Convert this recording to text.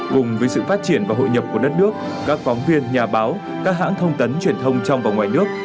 cùng với sự phát triển và hội nhập của đất nước các phóng viên nhà báo các hãng thông tấn truyền thông trong và ngoài nước